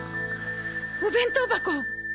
お弁当箱！